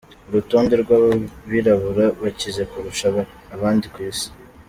Urutonde rw’Abirabura bakize kurusha abandi ku isi